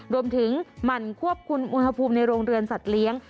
รวมถึงหมั่นควบคุณมุมภูมิในโรงเรือนสัตว์เลี้ยง